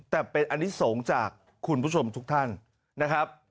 แต่เป็นอนิสงฆ์จากคุณผู้ชมทุกท่านนะครับ